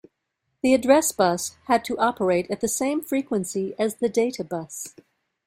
The address bus had to operate at the same frequency as the data bus.